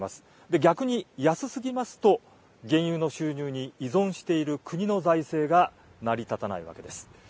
逆に安すぎますと、原油の収入に依存している国の財政が成り立たないわけです。